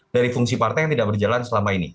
dari fungsi partai yang tidak berjalan selama ini